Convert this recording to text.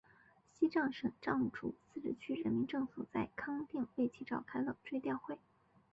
西康省藏族自治区人民政府在康定为其召开了追悼会。